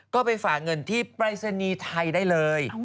ก็ไปฝากเงินที่ปรายศนีย์ไทยได้เลย